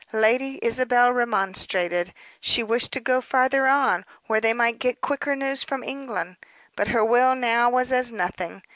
Lady Isabel remonstrated; she wished to go farther on, where they might get quicker news from England; but her will now was as nothing.